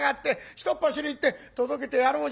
ひとっ走り行って届けてやろうじゃないか」。